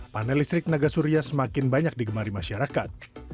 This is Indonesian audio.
panel listrik tenaga surya semakin banyak digemari masyarakat